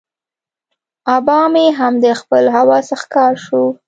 آبا مې هم د خپل هوس ښکار شو.